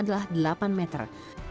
adalah delapan meter